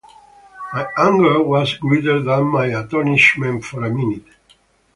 My anger was greater than my astonishment for a minute.